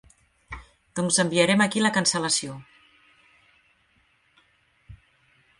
Doncs enviarem aquí la cancel·lació.